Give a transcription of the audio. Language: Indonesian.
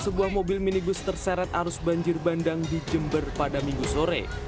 sebuah mobil minibus terseret arus banjir bandang di jember pada minggu sore